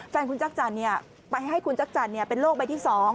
แฟนคุณจักรจันทร์ไปให้คุณจักรจันทร์เป็นโลกใบที่๒